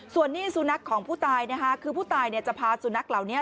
ส่วนนี้สุนัขของผู้ตายนะคะคือผู้ตายจะพาสุนัขเหล่านี้